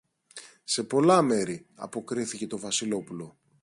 Σε πολλά μέρη, αποκρίθηκε το Βασιλόπουλο.